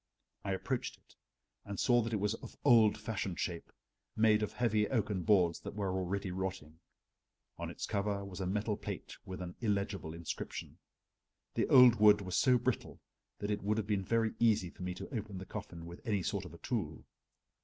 I approached it and saw that it was of old fashioned shape, made of heavy oaken boards that were already rotting. On its cover was a metal plate with an illegible inscription. The old wood was so brittle that it would have been very easy for me to open the coffin with any sort of a tool.